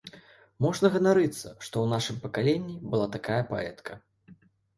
Можна ганарыцца, што ў нашым пакаленні была такая паэтка.